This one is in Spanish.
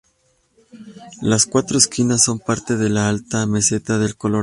Las Cuatro Esquinas son parte de la alta Meseta del Colorado.